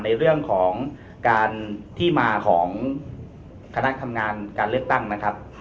ในเรื่องของการที่มาของคณะทำงานการเลือกตั้งนะครับ